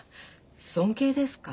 尊敬ですか？